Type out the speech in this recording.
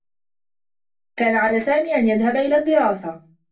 كان على سامي أن يذهب إلى الدّراسة.